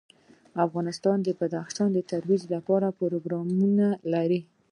افغانستان د بدخشان د ترویج لپاره پروګرامونه لري.